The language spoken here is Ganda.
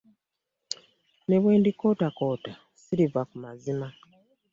Nebwendikootakoota, siriva ku mazima.